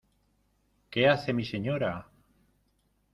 ¡ qué hace mi señora!